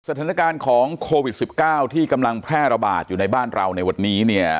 สถานการณ์ของโควิด๑๙ที่กำลังแพร่ระบาดอยู่ในบ้านเราในวันนี้เนี่ย